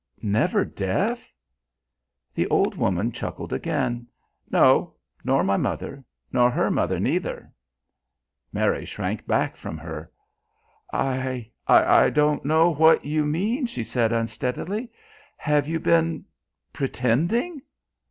Never deaf?" The old woman chuckled again. "No, nor my mother nor her mother neither." Mary shrank back from her. "I I don't know what you mean," she said, unsteadily. "Have you been pretending?"